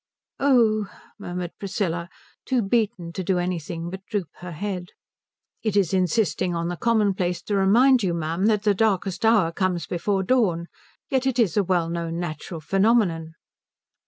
"Oh," murmured Priscilla, too beaten to do anything but droop her head. "It is insisting on the commonplace to remind you, ma'am, that the darkest hour comes before dawn. Yet it is a well known natural phenomenon."